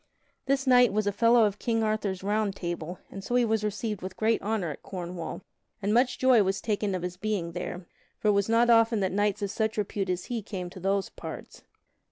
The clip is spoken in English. This knight was a fellow of King Arthur's Round Table, and so he was received with great honor at Cornwall, and much joy was taken of his being there; for it was not often that knights of such repute as he came to those parts.